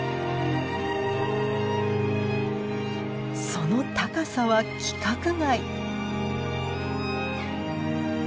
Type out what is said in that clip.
その高さは規格外！